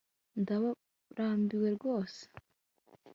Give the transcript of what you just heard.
Ndarambiwe rwose